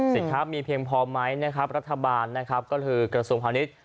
ซิงค้ามีเพียงพอไหมรัฐบาลกรมศูนย์ผ่านิต